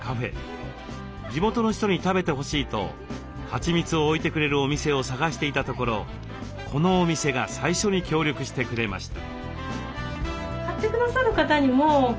地元の人に食べてほしいとはちみつを置いてくれるお店を探していたところこのお店が最初に協力してくれました。